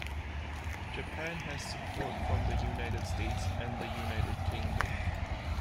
Japan has support from the United States and the United Kingdom.